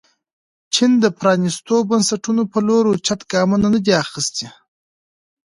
چین د پرانیستو بنسټونو په لور اوچت ګامونه نه دي اخیستي.